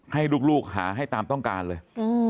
ให้ลูกหาให้ตามต้องการเลย